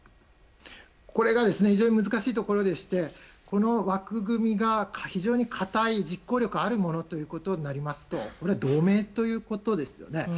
これが非常に難しいところでしてこの枠組みが非常に固い実行力あるものとなりますと同盟ということですよね。